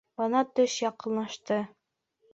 Бына төш яҡынлашты.